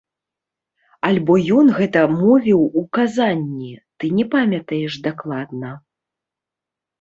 Альбо ён гэта мовіў у казані, ты не памятаеш дакладна.